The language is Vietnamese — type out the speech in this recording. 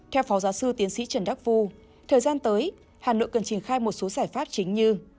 theo phó giáo sư tiến sĩ trần đắc phu thời gian tới hà nội cần triển khai một số giải pháp chính như